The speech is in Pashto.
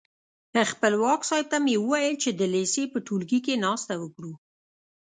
خپلواک صاحب ته مې وویل چې د لېسې په ټولګي کې ناسته وکړو.